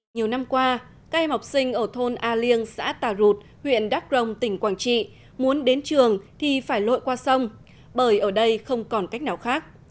nhiều năm qua các em học sinh ở thôn a liêng xã tà rụt huyện đắk rồng tỉnh quảng trị muốn đến trường thì phải lội qua sông bởi ở đây không còn cách nào khác